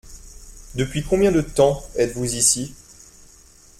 Depuis combien de temps êtes-vous ici ?